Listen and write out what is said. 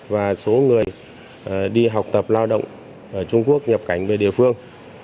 và số người đi học tập lao động ở trung quốc nhập cảnh về địa phương